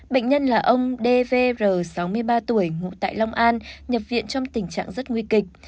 bệnh nhân là ông dvr sáu mươi ba tuổi ngụ tại long an nhập viện trong tình trạng rất nguy kịch